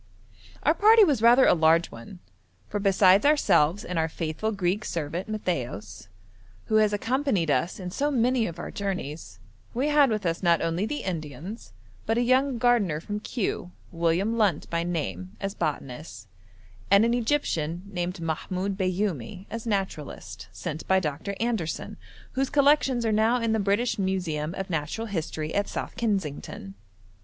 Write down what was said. Our party was rather a large one, for besides ourselves and our faithful Greek servant Matthaios, who has accompanied us in so many of our journeys, we had with us not only the Indians, but a young gardener from Kew, William Lunt by name, as botanist, and an Egyptian named Mahmoud Bayoumi, as naturalist, sent by Dr. Anderson, whose collections are now in the British Museum of Natural History at South Kensington.